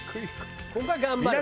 ここは頑張れば。